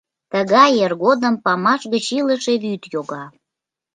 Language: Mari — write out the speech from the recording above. Тыгай эр годым памаш гыч илыше вӱд йога.